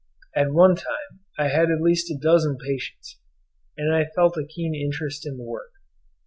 At one time I had at least a dozen patients, and I felt a keen interest in the work.